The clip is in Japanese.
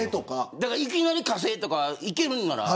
だから、いきなり火星とか行けるんなら。